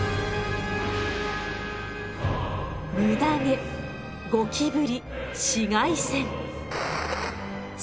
ムダ毛ゴキブリ紫外線。